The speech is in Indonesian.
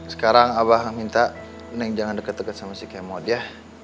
sekarang abah minta neng jangan deket deket sama si kmot ya